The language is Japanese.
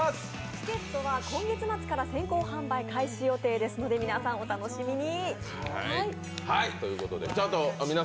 チケットは今月末から先行販売開始予定ですので皆さん、お楽しみに！